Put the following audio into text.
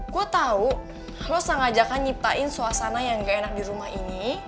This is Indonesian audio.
gue tau lo sengaja kan nyiptain suasana yang gak enak di rumah ini